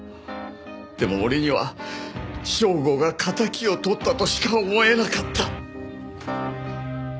でも俺には祥吾が敵をとったとしか思えなかった。